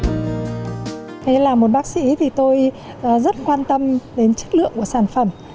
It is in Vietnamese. thế là một bác sĩ thì tôi rất quan tâm đến chất lượng của sản phẩm